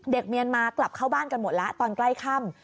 เมียนมากลับเข้าบ้านกันหมดแล้วตอนใกล้ค่ำ